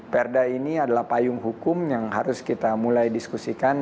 perda ini adalah payung hukum yang harus kita mulai diskusikan